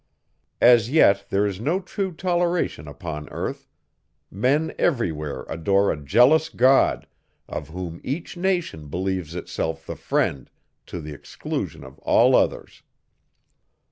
As yet there is no true toleration upon earth; men every where adore a jealous God, of whom each nation believes itself the friend, to the exclusion of all others.